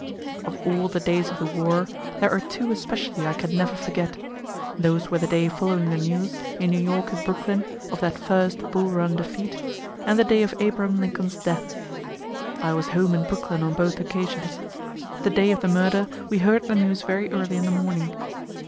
(Of all the days of the war, there are two especially I can never forget. Those were the day following the news, in New York and Brooklyn, of that first Bull Run defeat, and the day of Abraham Lincoln's death. I was home in Brooklyn on both occasions. The day of the murder we heard the news very early in the morning.